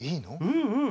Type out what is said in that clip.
うんうん。